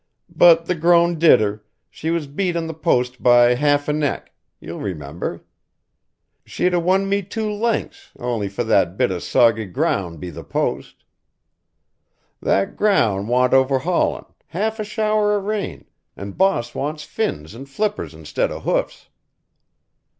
But the grown' did her, she was beat on the post by haff an 'eck, you'll remember. She'd a won be two lengths, on'y for that bit o' soggy grown' be the post. That grown' want over haulin', haff a shower o' rain, and boss wants fins and flippers instead o' hoofs."